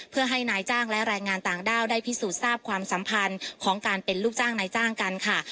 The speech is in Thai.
เพื่อให้นายจ้างและแรงงานต่างด้าวได้พิสูจน์ทราบความสัมพันธ์ของการเป็นลูกจ้างนายจ้างกันค่ะ